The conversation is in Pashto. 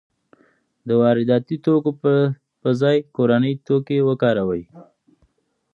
د وارداتي توکو په ځای کورني توکي وکاروئ.